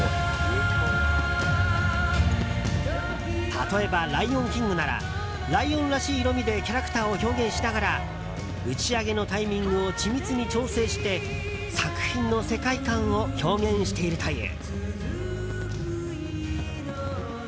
例えば「ライオン・キング」ならライオンらしい色味でキャラクターを表現しながら打ち上げのタイミングを緻密に調整して作品の世界観を表現しているという。